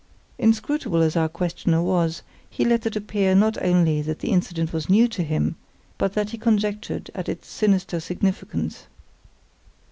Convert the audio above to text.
Inscrutable as our questioner was, he let it appear not only that the incident was new to him, but that he conjectured at its sinister significance.